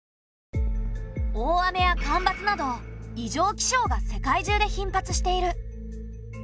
大雨や干ばつなど異常気象が世界中で頻発している。